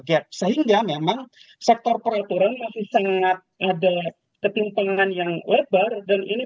gap sehingga memang sektor peraturan masih sangat ada ketimpangan yang lebar dan ini